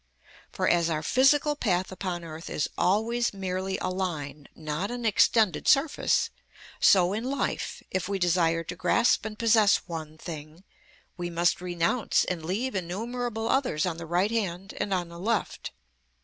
For as our physical path upon earth is always merely a line, not an extended surface, so in life, if we desire to grasp and possess one thing, we must renounce and leave innumerable others on the right hand and on the left.